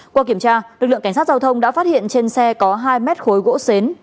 qua kiểm tra lực lượng cảnh sát giao thông đã phát hiện trên xe có hai mét khối gỗ xến